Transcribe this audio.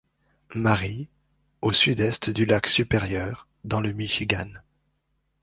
Marie, au sud-est du lac Supérieur, dans le Michigan.